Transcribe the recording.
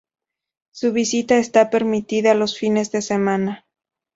Su visita está permitida los fines de semana.